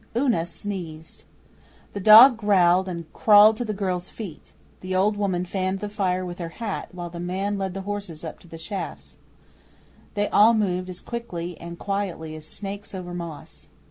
Una sneezed. The dog growled and crawled to the girl's feet, the old woman fanned the fire with her hat, while the man led the horses up to the shafts, They all moved as quickly and quietly as snakes over moss.